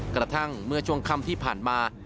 กระทั่งเมื่อช่วงค่ำที่ผ่านมา